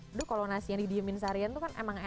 aduh kalau nasinya didiemin seharian tuh kan emang enak